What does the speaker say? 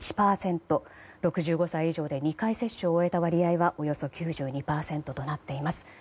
６５歳以上で３回接種を終えた割合はおよそ９２％となっています。